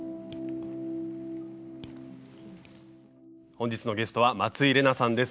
本日のゲストは松井玲奈さんです。